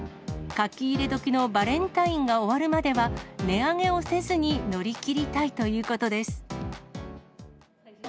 書き入れ時のバレンタインが終わるまでは値上げをせずに乗り切りたいということです。